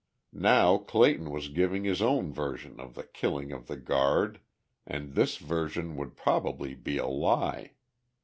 Now Clayton was giving his own version of the killing of the guard, and this version would probably be a lie.